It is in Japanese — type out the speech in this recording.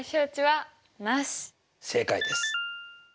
正解です。